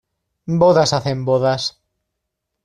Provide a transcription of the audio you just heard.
Bodas hacen bodas.